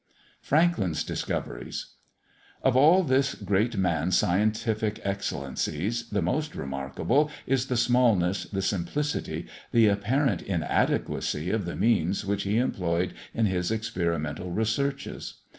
_ FRANKLIN'S DISCOVERIES. Of all this great man's scientific excellencies, the most remarkable is the smallness, the simplicity, the apparent inadequacy of the means which he employed in his experimental researches.